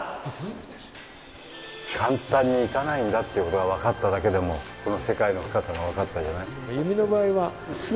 簡単にいかないんだっていう事がわかっただけでもこの世界の深さがわかったじゃない。